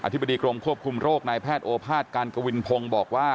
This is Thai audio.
ธิบดีกรมควบคุมโรคนายแพทย์โอภาษย์การกวินพงศ์บอกว่า